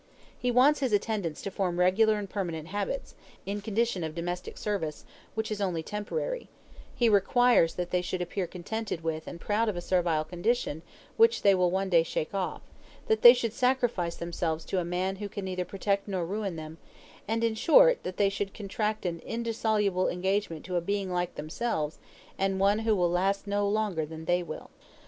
He wants his attendants to form regular and permanent habits, in a condition of domestic service which is only temporary: he requires that they should appear contented with and proud of a servile condition, which they will one day shake off that they should sacrifice themselves to a man who can neither protect nor ruin them and in short that they should contract an indissoluble engagement to a being like themselves, and one who will last no longer than they will.